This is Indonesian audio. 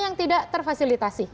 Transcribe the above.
yang tidak terfasilitasi